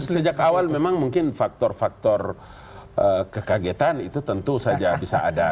sejak awal memang mungkin faktor faktor kekagetan itu tentu saja bisa ada